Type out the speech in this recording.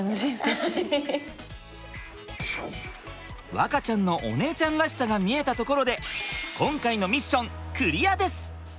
和花ちゃんのお姉ちゃんらしさが見えたところで今回のミッションクリアです！